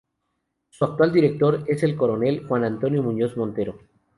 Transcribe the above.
Su actual director es el Coronel Juan Antonio Muñoz Montero.